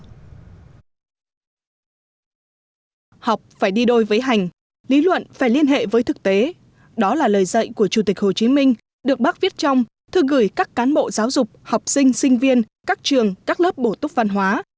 tôi vấy hành lý luận phải liên hệ với thực tế đó là lời dạy của chủ tịch hồ chí minh được bác viết trong thư gửi các cán bộ giáo dục học sinh sinh viên các trường các lớp bổ túc văn hóa